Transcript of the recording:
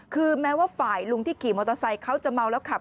คือแม้ว่าฝ่ายลุงที่ขี่มอเตอร์ไซค์เขาจะเมาแล้วขับ